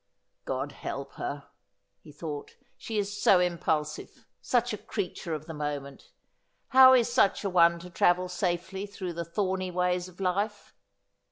'God help her!' he thought, 'she is so impulsive — such a creature of the moment. How is such an one to travel safely through the thorny ways of life